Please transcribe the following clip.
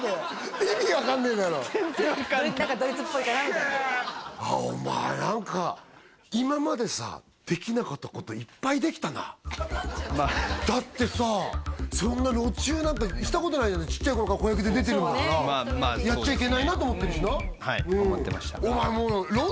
全然分かんない何かドイツっぽいかなみたいなああお前何か今までさできなかったこといっぱいできたなだってさそんな路チューなんてしたことないじゃんちっちゃい頃から子役で出てるんだからやっちゃいけないなと思ってるしはい思ってましたお前